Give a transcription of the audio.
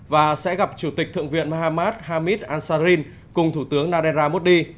và sẽ gặp chủ tịch thượng viện mahamad hamid ansarin cùng thủ tướng narendra modi